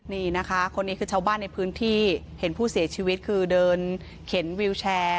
นี่นะคะคนนี้คือชาวบ้านในพื้นที่เห็นผู้เสียชีวิตคือเดินเข็นวิวแชร์